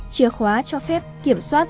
chia khóa cho phép kiểm soát